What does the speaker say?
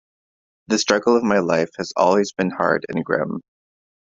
The struggle of my life has always been hard and grim.